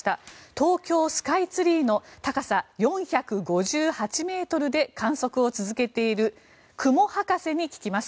東京スカイツリーの高さ４５８ｍで観測を続けている雲博士に聞きます。